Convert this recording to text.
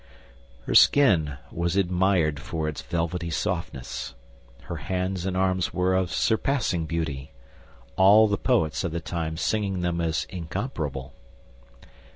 Her skin was admired for its velvety softness; her hands and arms were of surpassing beauty, all the poets of the time singing them as incomparable.